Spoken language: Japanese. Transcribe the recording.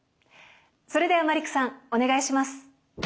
それではマリックさんお願いします。